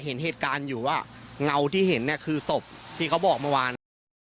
เห็นเหตุการณ์อยู่ว่าเงาที่เห็นเนี่ยคือศพที่เขาบอกเมื่อวาน